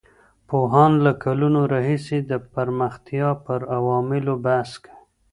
پوهان له کلونو راهيسې د پرمختيا پر عواملو بحث کوي.